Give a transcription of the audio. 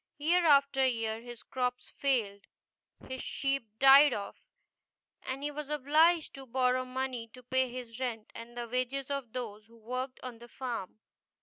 Year after year his crops failed, his sheep died off, and he was obliged to borrow money to pay his rent and the wages of those who worked on the farm.